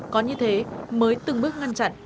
có như thế mới từng bước ngăn chặn